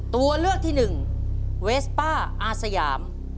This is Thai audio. ตัวเลือกที่หนึ่งเวสป้าอาสยาม